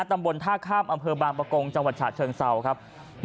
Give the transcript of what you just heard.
ตำบลท่าข้ามอำเภอบางประกงจังหวัดฉะเชิงเศร้าครับ